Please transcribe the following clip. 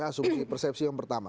asumsi persepsi yang pertama